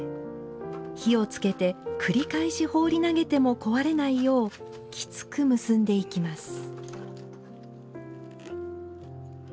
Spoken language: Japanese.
火をつけて、繰り返し放り投げても壊れないようきつく結んでいきます。